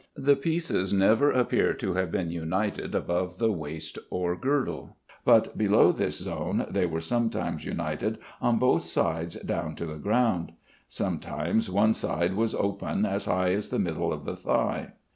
The pieces never appear to have been united above the waist or girdle, but below this zone they were sometimes united on both sides down to the ground. Sometimes one side was open as high as the middle of the thigh.